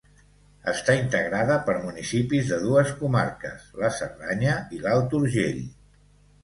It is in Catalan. Està integrada per municipis de dues comarques, la Cerdanya i l'Alt Urgell.